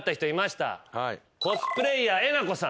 コスプレイヤーえなこさん。